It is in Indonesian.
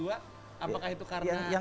apakah itu karena